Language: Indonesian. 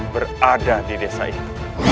berada di desa itu